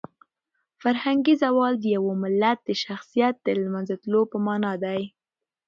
فرهنګي زوال د یو ملت د شخصیت د لمنځه تلو په مانا دی.